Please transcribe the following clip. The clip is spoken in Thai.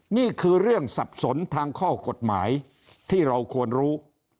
นี่คือเรื่องสับสนทางข้อกฎหมายที่เราควรรู้